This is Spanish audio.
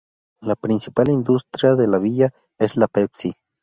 La principal industria de la villa, es la Pepsi.